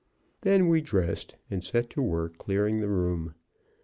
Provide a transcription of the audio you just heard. Then we dressed, and set to work clearing the room.